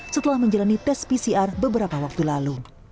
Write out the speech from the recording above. setelah menjalani tes pcr beberapa waktu lalu